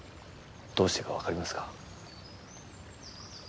どうしてか分かりますか？